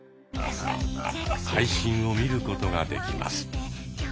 配信を見ることができます。